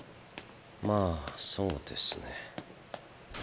まあそうですね。